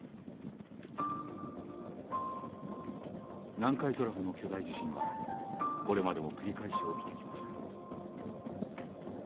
南海トラフの巨大地震はこれまでも繰り返し起きてきました。